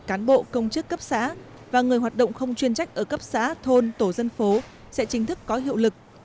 cán bộ công chức cấp xã và người hoạt động không chuyên trách ở cấp xã thôn tổ dân phố sẽ chính thức có hiệu lực